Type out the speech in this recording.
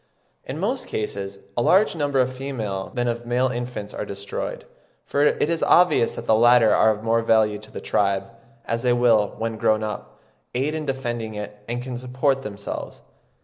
In most cases a larger number of female than of male infants are destroyed, for it is obvious that the latter are of more value to the tribe, as they will, when grown up, aid in defending it, and can support themselves.